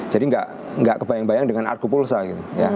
jadi nggak kebayang bayang dengan argo pulsa gitu ya